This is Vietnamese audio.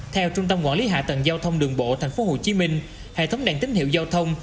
theo trung tâm quản lý hạ tầng giao thông đường bộ tp hcm hệ thống đèn tín hiệu giao thông